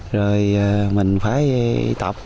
rồi mình phải tập và mình tập